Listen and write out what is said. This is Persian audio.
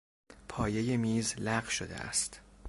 پایهی میز لق شده است.